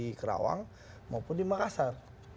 di kerawang maupun di makassar